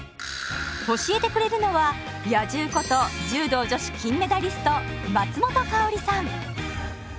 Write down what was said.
教えてくれるのは「野獣」こと柔道女子金メダリスト松本薫さん。